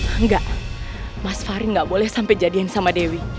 enggak mas ferry gak boleh sampai jadian sama dewi